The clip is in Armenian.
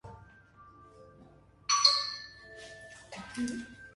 Տիրապետել է երեք լեզվի՝ հայերենին, պարսկերենին և թուրքերենին։